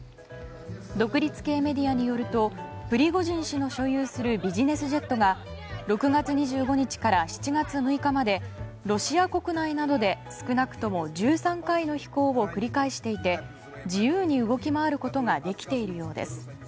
独立系メディアによるとプリゴジン氏の所有するビジネスジェットが６月２５日から７月６日までロシア国内などで少なくとも１３回の飛行を繰り返していて自由に動き回ることができているようです。